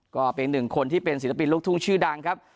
ก็เป็นหนึ่งคนที่เป็นศิลปินลูกทุ่งชื่อดังครับ